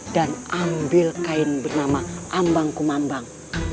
dan ambil kain bernama ambang kumambang